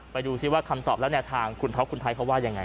ไปดูซิว่าคำตอบแล้วทางคุณท๊อปคุณท้ายเขาว่าอย่างไร